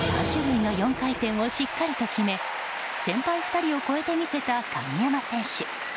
３種類の４回転をしっかりと決め２人を超えて見せた鍵山選手。